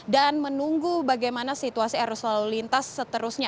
dan menunggu bagaimana situasi arus selalu lintas seterusnya